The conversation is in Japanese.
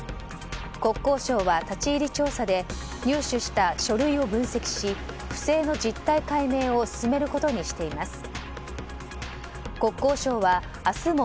国交省は立ち入り調査で入手した書類を分析し不正の実態解明を進めることにしています。